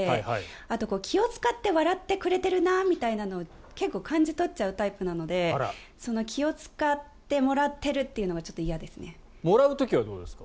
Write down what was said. あと、気を使って笑ってくれてるなみたいなのを結構感じ取っちゃうタイプなのでその気を使ってもらってるっていうのがもらう時はどうですか？